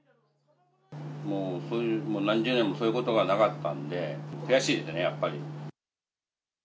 もう、何十年もそういうことがなかったんで、悔しいですね、やっぱり。